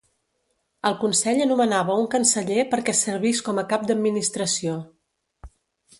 El consell anomenava un canceller per que servis com a Cap d'Administració.